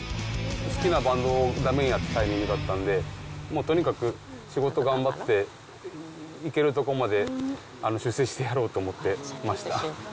好きなバンドがだめになったタイミングだったんで、もうとにかく仕事頑張って、いけるところまで出世してやろうと思ってました。